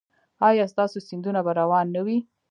ایا ستاسو سیندونه به روان نه وي؟